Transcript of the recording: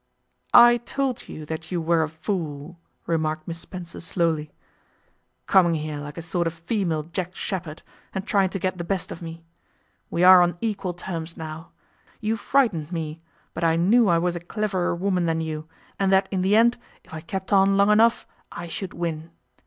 'I told you that you were a fool,' remarked Miss Spencer slowly, 'coming here like a sort of female Jack Sheppard, and trying to get the best of me. We are on equal terms now. You frightened me, but I knew I was a cleverer woman than you, and that in the end, if I kept on long enough, I should win.